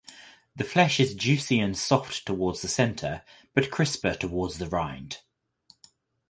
The flesh is juicy and soft towards the center but crisper towards the rind.